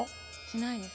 しないです。